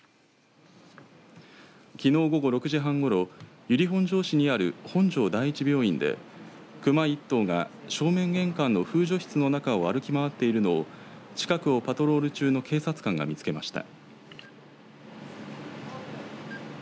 きのう午後６時半ごろ由利本荘市にある本荘第一病院で熊１頭が正面玄関の風除室の中を歩き回っているのを近くをパトロール中の警察官が見つけました。